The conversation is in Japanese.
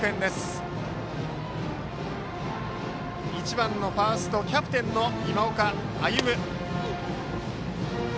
バッターは１番ファーストキャプテンの今岡歩夢。